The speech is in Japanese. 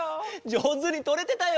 じょうずにとれてたよ。